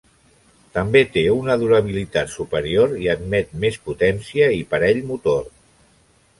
També té una durabilitat superior i admet més potència i parell motor.